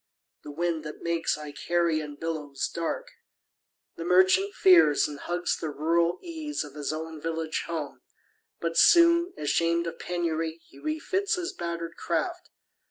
The winds that make Icarian billows dark The merchant fears, and hugs the rural ease Of his own village home; but soon, ashamed Of penury, he refits his batter'd craft.